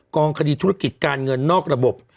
องคดีธุรกิจการเงินนอกระบบ